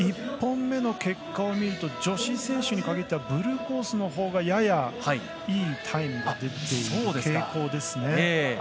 １本目の結果を見ると女子選手に限ってはブルーコースのほうがややいいタイムが出ている傾向ですね。